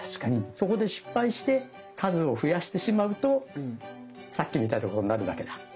そこで失敗して数を増やしてしまうとさっきみたいなことになるだけだ。